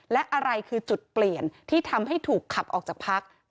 และอะไรคือจุดเปลี่ยนที่ทำให้ถูกขับออกจากพัก